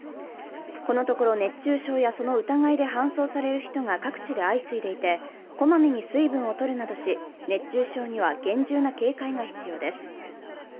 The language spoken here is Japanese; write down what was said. このところ熱中症やその疑いで搬送される人が各地で相次いでいて、小まめに水分をとるなどし熱中症には厳重な警戒が必要です。